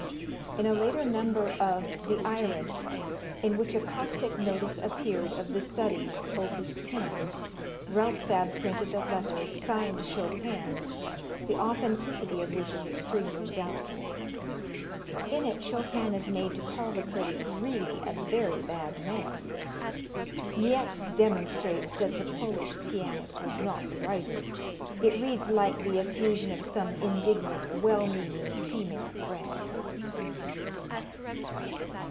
In a later number of "The Iris," in which a caustic notice appeared of the studies, op. 10, Rellstab printed a letter, signed Chopin, the authenticity of which is extremely doubtful. In it Chopin is made to call the critic "really a very bad man." Niecks demonstrates that the Polish pianist was not the writer. It reads like the effusion of some indignant, well meaning female friend.